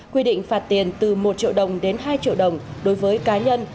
quy định phạt tiền từ một triệu đồng đến hai triệu đồng đối với cá nhân